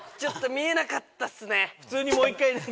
見えなかったっすね。